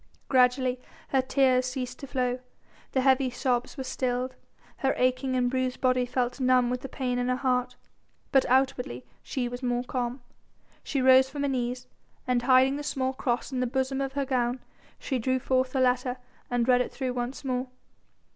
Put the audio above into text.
Gradually her tears ceased to flow, the heavy sobs were stilled, her aching and bruised body felt numb with the pain in her heart. But outwardly she was more calm. She rose from her knees, and hiding the small cross in the bosom of her gown, she drew forth the letter and read it through once more.